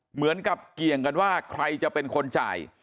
เหมือนกับเกี่ยงกันว่าใครจะเป็นคนจ่าย